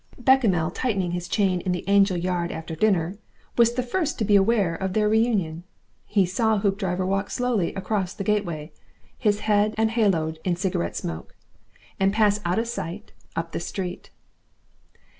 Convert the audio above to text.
Bechamel, tightening his chain in the Angel yard after dinner, was the first to be aware of their reunion. He saw Hoopdriver walk slowly across the gateway, his head enhaloed in cigarette smoke, and pass out of sight up the street.